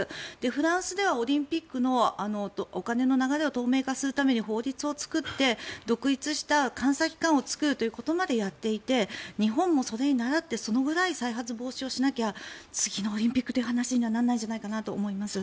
フランスではオリンピックのお金の流れを透明化するために法律を作って独立した監査機関を作るということまでやっていて日本もそれに倣ってそのぐらい再発防止をしなきゃ次のオリンピックという話にはならないんじゃないかと思います。